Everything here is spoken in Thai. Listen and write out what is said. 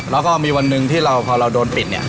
แล้วก็มีวันหนึ่งที่เราพอเราโดนปิดเนี่ย